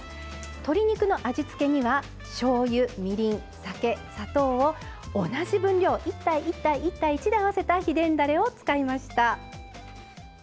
鶏肉の味付けにはしょうゆ、みりん酒、砂糖を同じ分量１対１対１対１で合わせた秘伝だれを使いました。